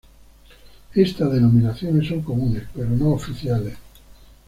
Estas denominaciones son comunes, pero no oficiales.